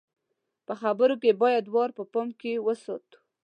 په خبرو کې بايد وار په پام کې وساتو.